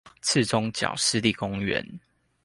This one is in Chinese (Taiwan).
莿蔥腳濕地公園